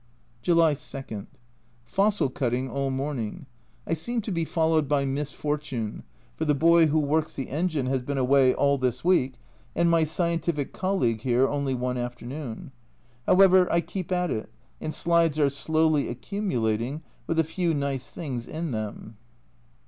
July 2. Fossil cutting all morning I seem to be followed by misfortune, for the boy who works the engine has been away all this week, and my scientific colleague here only one afternoon ! However, I keep at it, and slides are slowly accumulating, with a few nice things in them.